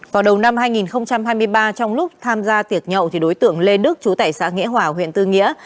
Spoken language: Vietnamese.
vào đầu năm hai nghìn hai mươi ba trong lúc tham gia tiệc nhậu thì đối tượng lê đức chú tải xã nghĩa hòa huyện tư nghĩa